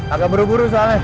agak buru buru soalnya